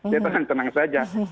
saya tenang tenang saja